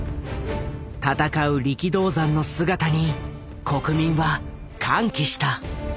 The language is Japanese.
戦う力道山の姿に国民は歓喜した。